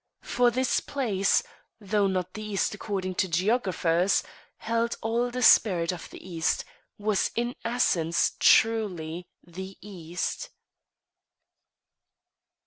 For this place, though not the East according to geographers, held all the spirit of the East was in essence truly the East.